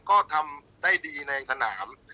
ก็ทำได้ดีในสนาม